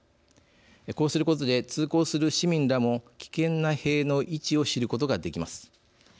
こうすることで通行する市民らも危険な塀の位置を知ることができます。